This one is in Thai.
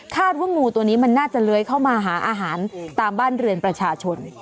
ว่างูตัวนี้มันน่าจะเลื้อยเข้ามาหาอาหารตามบ้านเรือนประชาชน